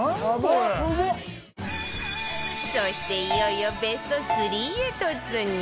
そしていよいよベスト３へ突入